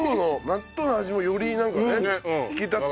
納豆の味もよりなんかね引き立って。